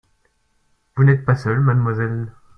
Vous n’êtes pas seule, Mademoiselle ?